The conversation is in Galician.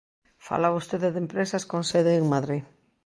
Fala vostede de empresas con sede en Madrid.